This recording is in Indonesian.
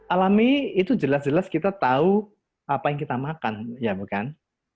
alami itu jelas jelas kita tahu apa yang kita makan ya bukan